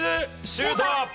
シュート！